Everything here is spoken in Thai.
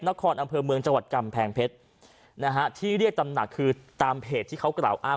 นครอำเภอเมืองจังหวัดกำแพงเพชรนะฮะที่เรียกตำหนักคือตามเพจที่เขากล่าวอ้าง